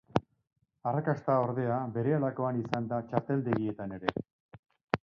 Arrakasta, ordea, berehalakoa izan da txarteldegietan ere.